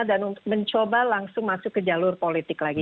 dan mencoba langsung masuk ke jalur politik lagi